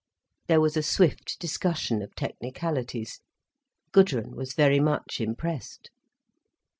There was a swift discussion of technicalities. Gudrun was very much impressed.